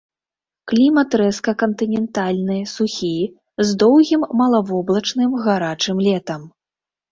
Клімат рэзка кантынентальны, сухі, з доўгім малавоблачным гарачым летам.